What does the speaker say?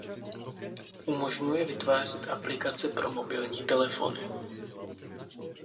Umožňuje vytvářet aplikace pro mobilní telefony.